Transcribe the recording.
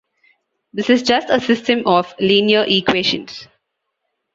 This is just a system of linear equations.